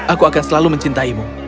aku akan selalu mencintaimu